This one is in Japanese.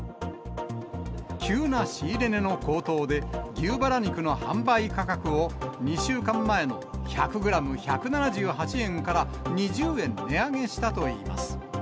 急な仕入れ値の高騰で、牛バラ肉の販売価格を、２週間前の１００グラム１７８円から２０円値上げしたといいます。